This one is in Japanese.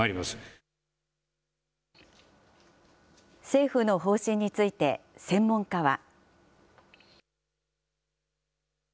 政府の方針について、専門家は。